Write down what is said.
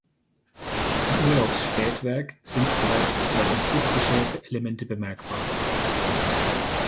In Urlaubs Spätwerk sind bereits klassizistische Elemente bemerkbar.